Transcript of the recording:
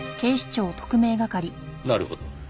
なるほど。